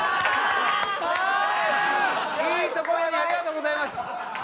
いいところにありがとうございます。